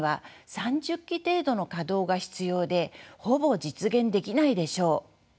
３０基程度の稼働が必要でほぼ実現できないでしょう。